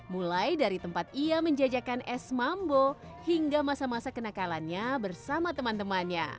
mulai dari tempat ia menjajakan es mambo hingga masa masa kenakalannya bersama teman temannya